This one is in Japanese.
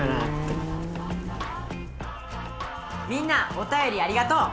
みんなおたよりありがとう！